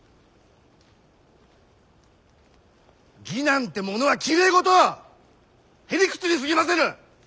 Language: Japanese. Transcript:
義なんてものはきれい事！へ理屈にすぎませぬ！